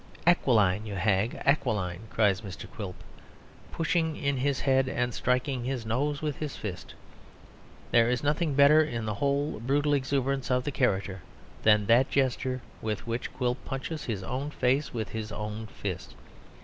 "Aquiline, you hag! Aquiline," cries Mr. Quilp, pushing in his head and striking his nose with his fist. There is nothing better in the whole brutal exuberance of the character than that gesture with which Quilp punches his own face with his own fist.